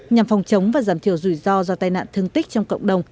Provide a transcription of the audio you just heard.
nhằm phòng chống và giảm thiểu rủi ro do tai nạn thương tích trong cộng đồng